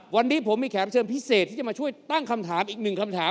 วันนี้ผมมีแขกเชิญพิเศษที่จะมาช่วยตั้งคำถามอีกหนึ่งคำถาม